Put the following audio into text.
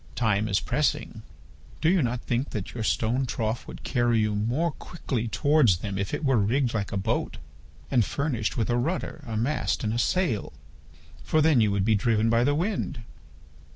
Time is pressing. Do you not think that your stone trough would carry you more quickly towards them if it were rigged like a boat and furnished with a rudder, a mast, and a sail, for then you would be driven by the wind?